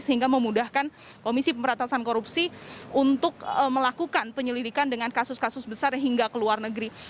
sehingga memudahkan komisi pemberantasan korupsi untuk melakukan penyelidikan dengan kasus kasus besar hingga ke luar negeri